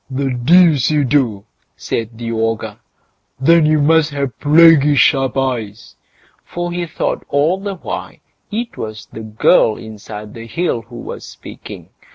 "The deuce you do!" said the ogre; "then you must have plaguey sharp eyes"; for he thought all the while it was the girl inside the hill who was speaking.